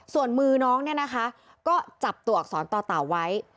ส่วนมือน้องเนี่ยนะคะก็จับตัวอักษรต่อเต่าไว้